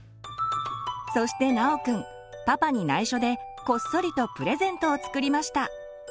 そして尚くんパパに内緒でこっそりとプレゼントを作りました。